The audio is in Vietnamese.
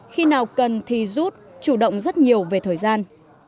khi nào cần thì rút chủ động rất nhiều về thời gian